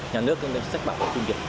nhà nước cũng sẽ bảo hộ phim việt